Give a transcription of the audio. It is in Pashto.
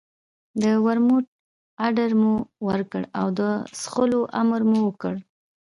د ورموت اډر مو ورکړ او د څښلو امر مو وکړ.